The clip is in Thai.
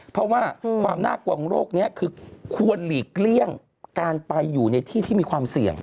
เพราะว่าความน่ากลัวของโรคนี้คือควรหลีกเลี่ยงการไปอยู่ในที่ที่มีความเสี่ยง